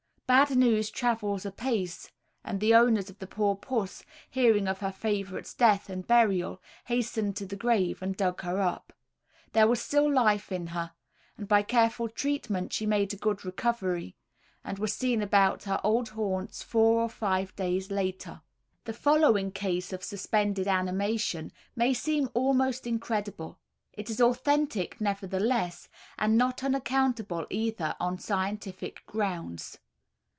Bad news travels apace; and the owner of poor puss hearing of her favourite's death and burial, hastened to the grave and dug her up. There was still life in her, and by careful treatment she made a good recovery, and was seen about her old haunts four or five days after. The following case of suspended animation may seem almost incredible; it is authentic nevertheless, and not unaccountable either on scientific grounds.